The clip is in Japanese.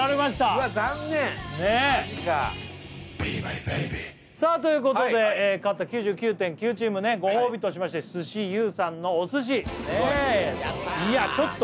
うわっ残念ねえさあということで勝った９９．９チームねご褒美としまして鮨由うさんのお寿司やった！